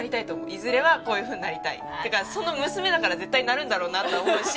いずれはこういうふうになりたい。というかその娘だから絶対になるんだろうなと思うし。